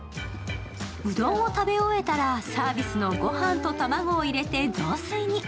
うどんを食べ終えたら、サービスのご飯と卵を入れて雑炊に。